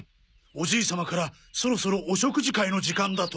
おじい様からそろそろお食事会の時間だと。